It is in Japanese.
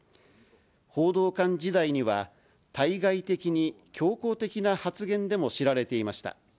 報道官時代には、対外的に強硬的な発言でも知られていました。